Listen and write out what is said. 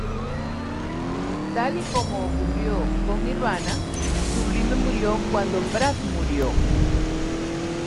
Tal y como ocurrió con Nirvana, Sublime murió cuando Brad murió.